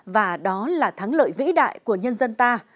và đó là thắng lợi vĩ đại của nhân dân ta